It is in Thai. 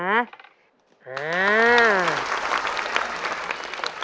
อ้าว